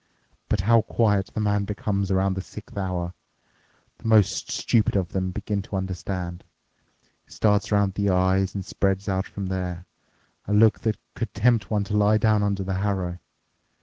But how quiet the man becomes around the sixth hour! The most stupid of them begin to understand. It starts around the eyes and spreads out from there. A look that could tempt one to lie down under the harrow.